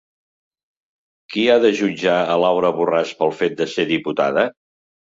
Qui ha de jutjar a Laura Borràs pel fet de ser diputada?